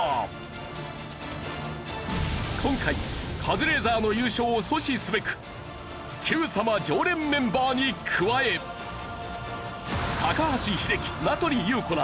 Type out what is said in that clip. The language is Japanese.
今回カズレーザーの優勝を阻止すべく『Ｑさま！！』常連メンバーに加え高橋英樹名取裕子ら